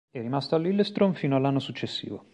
È rimasto al Lillestrøm fino all'anno successivo.